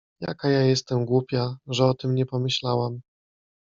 — Jaka ja jestem głupia, że o tym nie pomyślałam!